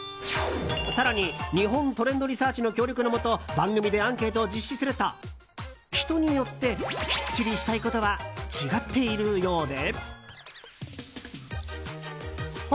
更に、日本トレンドリサーチの協力のもと番組でアンケートを実施すると人によってきっちりしたいことは違っているようで。